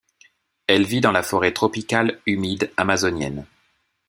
Elle vit dans la forêt tropicale humide amazonienne.